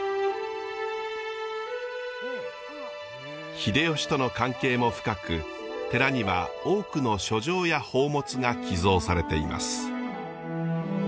秀吉との関係も深く寺には多くの書状や宝物が寄贈されています。